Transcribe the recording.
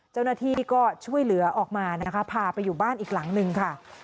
เจ้าหน้าที่ก็ช่วยเหลือออกมานะคะพาไปอยู่บ้านอีกหลังนึงค่ะ